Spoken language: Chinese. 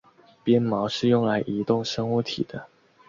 鞭毛是用来移动生物体的。